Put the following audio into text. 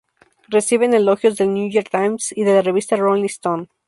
Reciben elogios del New York Times y de la revista Rolling Stone.